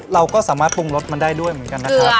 เราก็สามารถปรุงรสมันได้ด้วยเหมือนกันนะครับ